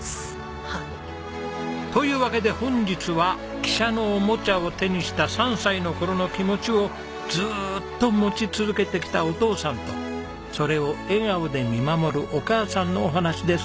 というわけで本日は汽車のおもちゃを手にした３歳の頃の気持ちをずーっと持ち続けてきたお父さんとそれを笑顔で見守るお母さんのお話です。